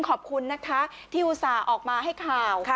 ขอบคุณนะคะที่อุตส่าห์ออกมาให้ข่าว